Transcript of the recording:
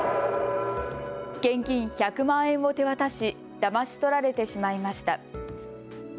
現金１００万円を手渡しだまし取られてしまいました。